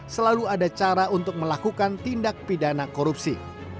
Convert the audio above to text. selalu ada cara untuk melakukan tindak pidana korupsi